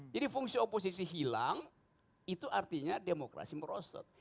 jadi fungsi oposisi hilang itu artinya demokrasi merosot